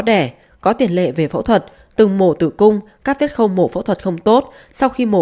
đẻ có tiền lệ về phẫu thuật từng mổ tử cung các viết không mổ phẫu thuật không tốt sau khi mổ